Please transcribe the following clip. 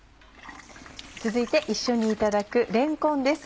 続いて一緒にいただくれんこんです